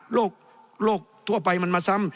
โรคทั่วไปมันมาซ้ำ